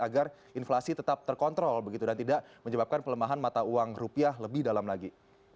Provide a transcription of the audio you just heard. agar inflasi tetap terkontrol begitu dan tidak menyebabkan pelemahan mata uang rupiah lebih dalam lagi